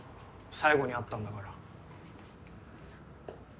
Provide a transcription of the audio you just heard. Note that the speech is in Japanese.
最後に会ったんだから。